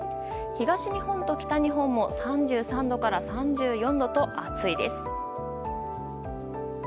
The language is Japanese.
東日本と北日本も３３度から３４度と暑いです。